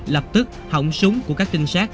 lập tức hỏng súng của các tinh sát